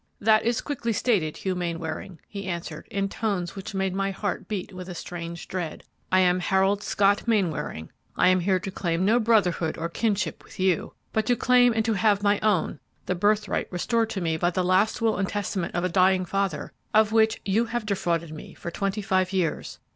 "'That is quickly stated, Hugh Mainwaring,' he answered, in tones which made my heart beat with a strange dread; 'I am Harold Scott Mainwaring! I am here to claim no brotherhood or kinship with you, but to claim and to have my own, the birthright restored to me by the last will and testament of a dying father, of which you have defrauded me for twenty five years!"